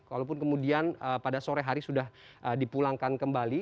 walaupun kemudian pada sore hari sudah dipulangkan kembali